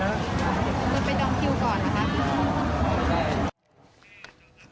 จะไปดองคิวก่อนเหรอครับ